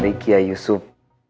dari kiai yusuf